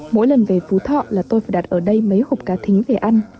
mỗi lần về phú thọ là tôi phải đặt ở đây mấy hộp cá thính về ăn